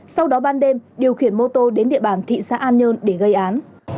sau đó ban đêm điều khiển mô tô đến địa bàn thị xã an nhơn để gây án